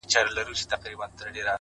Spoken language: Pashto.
هره تجربه د شخصیت نوې کرښه رسموي!